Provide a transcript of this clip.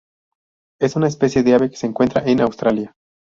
Es una especie de ave que se encuentra en Australia.